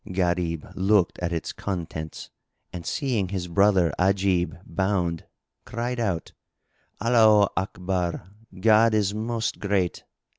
Gharib looked at its contents and seeing his brother Ajib bound, cried out, "Allaho Akbar—God is Most Great!